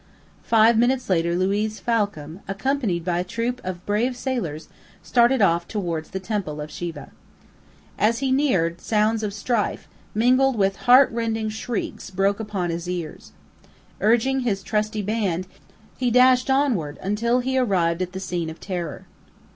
Five minutes later Luiz Falcam, accompanied by a troop of brave sailors, started off towards the Temple of Siva. As he neared, sounds of strife, mingled with heartrending shrieks, broke upon his ears. Urging his trusty band, he dashed onward until he arrived at the scene of terror.